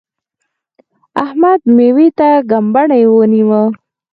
احمد؛ مېوې ته ګبڼۍ ونیو.